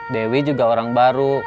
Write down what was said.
dewi juga orang baru